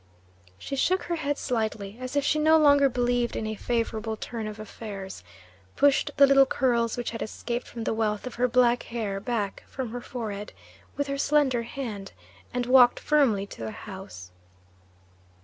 She shook her head slightly, as if she no longer believed in a favourable turn of affairs, pushed the little curls which had escaped from the wealth of her black hair back from her forehead with her slender hand, and walked firmly to the house.